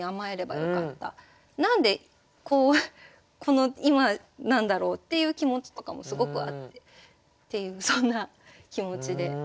何で今なんだろうっていう気持ちとかもすごくあってっていうそんな気持ちで。